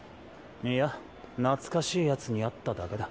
いや懐かしい奴に会っただけだ。